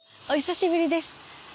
お久しぶりです。